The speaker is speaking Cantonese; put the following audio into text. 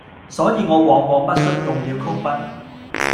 所以我往往不恤用了曲筆，